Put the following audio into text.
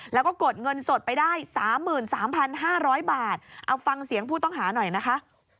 แล้วก็กดเงินสดไปได้๓๓๕๐๐บาทเอาฟังเสียงผู้ต้องหาหน่อยนะคะ